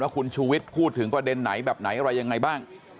คุณชูวิทย์พูดถึงประเด็นไหนแบบไหนอะไรยังไงบ้าง